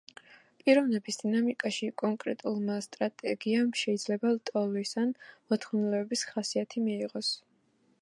პიროვნების დინამიკაში კონკრეტულმა სტრატეგიამ შეიძლება ლტოლვის ან მოთხოვნილების ხასიათი მიიღოს.